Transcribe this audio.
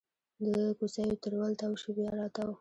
د کوڅېو تر ول تاو شي بیا راتاو